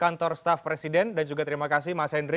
kantor staf presiden dan juga terima kasih mas hendry